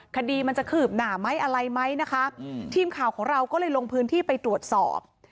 คดีมันจะขืบหนาไหมอะไรไหมนะคะอืมทีมข่าวของเราก็เลยลงพื้นที่ไปตรวจสอบ